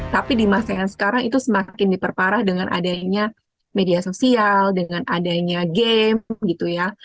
tapi di masa yang sekarang itu semakin diperparah dengan adanya media sosial dengan adanya game gitu ya